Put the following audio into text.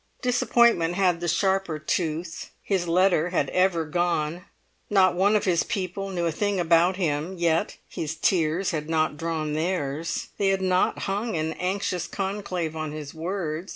Disappointment had the sharper tooth: his letter had ever gone, not one of his people knew a thing about him yet, his tears had not drawn theirs, they had not hung in anxious conclave on his words!